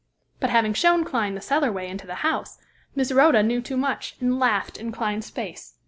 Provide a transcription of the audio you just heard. "But having shown Clyne the cellarway into the house, Miss Rhoda knew too much, and laughed in Clyne's face.